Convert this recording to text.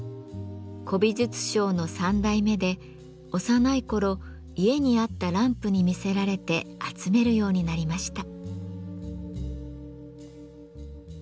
古美術商の３代目で幼い頃家にあったランプに魅せられて集めるようになりました。